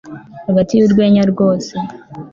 hagati y'urwenya rwose